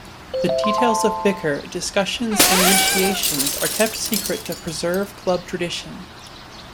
The details of bicker, discussions and initiations are kept secret to preserve club tradition.